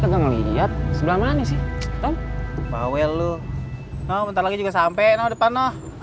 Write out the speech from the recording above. kagak ngelihat sebelah mana sih tom bawel lu nanti juga sampai depan